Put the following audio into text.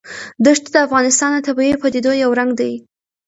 دښتې د افغانستان د طبیعي پدیدو یو رنګ دی.